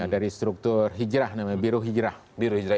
dari struktur hijrah namanya biru hijrah